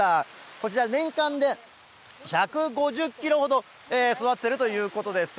こちら、年間で１５０キロほど育ててるということです。